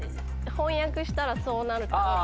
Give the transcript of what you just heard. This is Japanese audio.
翻訳したらそうなるとか。